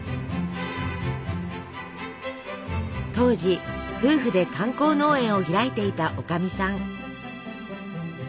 当時夫婦で観光農園を開いていたおかみさん。